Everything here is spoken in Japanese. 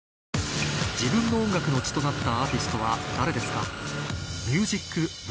自分の音楽の血となったアーティストは誰ですか？